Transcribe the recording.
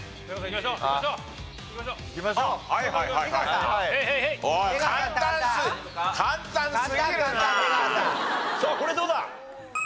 さあこれどうだ？